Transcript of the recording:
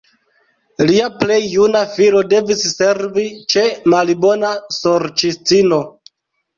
Lia plej juna filo devis servi ĉe malbona sorĉistino.